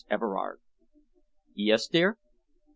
Everard!" "Yes, dear?"